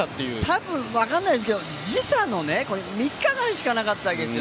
たぶん、分からないですけど時差がね、３日間しかなかったわけですよ。